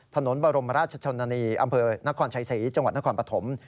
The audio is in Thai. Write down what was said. บรมราชชนนานีอำเภอนครชัยศรีจังหวัดนครปฐม